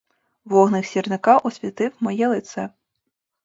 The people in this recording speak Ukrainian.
Вогник сірника освітив моє лице.